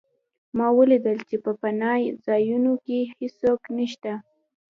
ما ولیدل چې په پناه ځایونو کې هېڅوک نشته